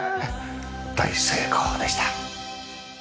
大成功でした。